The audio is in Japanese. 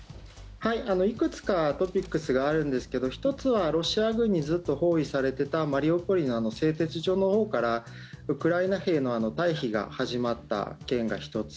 いくつかトピックスがあるんですけど１つはロシア軍にずっと包囲されていたマリウポリの製鉄所のほうからウクライナ兵の退避が始まった件が１つ。